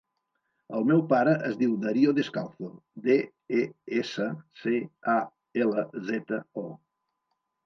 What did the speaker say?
El meu pare es diu Dario Descalzo: de, e, essa, ce, a, ela, zeta, o.